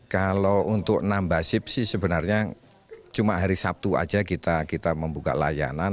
kalau untuk nambah shift sih sebenarnya cuma hari sabtu aja kita membuka layanan